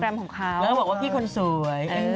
แล้วก็บอกว่าขี้คนสวย